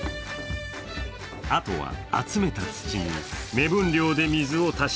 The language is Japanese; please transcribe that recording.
あとは、集めた土に目分量で水を足し